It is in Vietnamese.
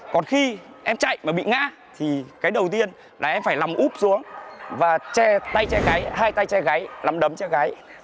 còn khi em chạy mà bị ngã thì cái đầu tiên là em phải lắm úp xuống và che tay che gáy hai tay che gáy lắm đấm che gáy